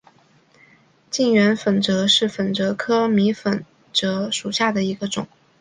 近圆粉虱为粉虱科迷粉虱属下的一个种。